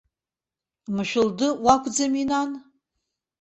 Мшәылды уакәӡами, нан?